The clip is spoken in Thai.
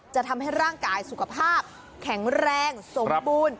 จะทำให้ร่างกายสุขภาพแข็งแรงสมบูรณ์